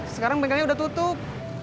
sekarang bengkelnya udah tutup